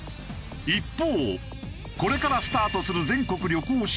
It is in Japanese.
一方これからスタートする全国旅行支援。